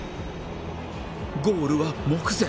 ゴールは目前